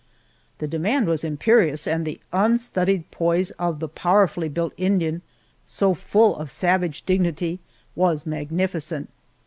The demand was imperious, and the unstudied poise of the powerfully built Indian, so full of savage dignity, was magnificent.